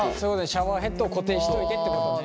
シャワーヘッドを固定しといてってことね。